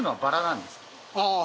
あ。